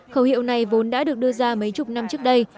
khẩu hiệu này vốn đã được đưa ra mấy chục năm trước đây